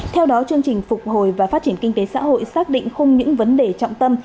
theo đó chương trình phục hồi và phát triển kinh tế xã hội xác định không những vấn đề trọng tâm